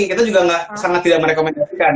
kita juga sangat tidak merekomendasikan